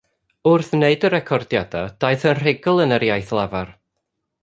Wrth wneud y recordiadau daeth yn rhugl yn yr iaith lafar.